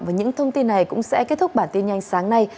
và những thông tin này cũng sẽ kết thúc bản tin nhanh sáng nay